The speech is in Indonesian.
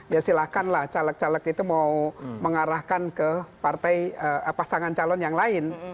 ya silahkanlah caleg caleg itu mau mengarahkan ke partai pasangan calon yang lain